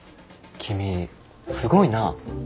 君すごいな。